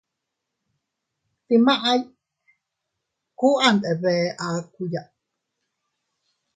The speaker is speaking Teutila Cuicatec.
Dimay kuu a ndebe akuya.